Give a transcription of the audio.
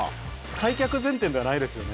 開脚前転ではないですよね？